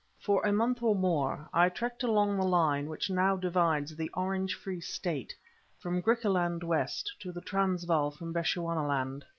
For a month or more I trekked along the line which now divides the Orange Free State from Griqualand West, and the Transvaal from Bechuanaland.